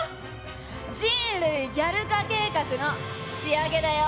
「人類ギャル化計画」の仕上げだよ。